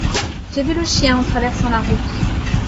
j'ai vu le chien en traversant la route.